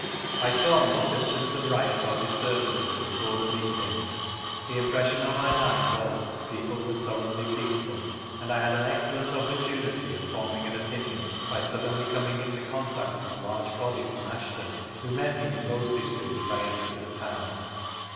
I saw no symptoms of riot or disturbances before the meeting; the impression on my mind was that the people were sullenly peaceful, and I had an excellent opportunity of forming an opinion by suddenly coming in contact with a large body from Ashton> who met me in Mosley Street, as I entered the town.'